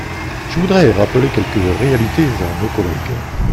Je voudrais rappeler quelques réalités à nos collègues.